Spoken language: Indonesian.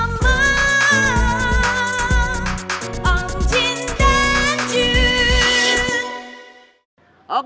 om jin dan jun